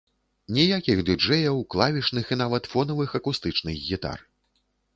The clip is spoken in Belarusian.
Ніякіх ды-джэяў, клавішных і нават фонавых акустычных гітар.